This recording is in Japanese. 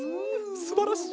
すばらしい！